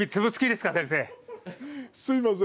すいません。